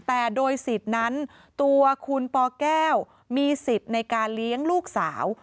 แต่โดยสิทธิ์นั้นตัวคุณปแก้วมีสิทธิ์ในการเลี้ยงลูกสาว